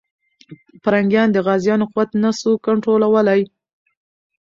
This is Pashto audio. پرنګیان د غازيانو قوت نه سو کنټرولولی.